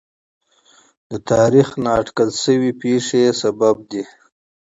د تاریخ نااټکل شوې پېښې لامل دي.